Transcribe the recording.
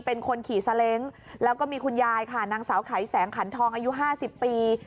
เป็นคนขี่ซาเล้งแล้วก็มีคุณยายค่ะนางสาวไขแสงขันทองอายุ๕๐ปี